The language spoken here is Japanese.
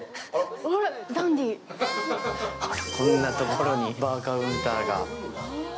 こんなところにバーカウンターが。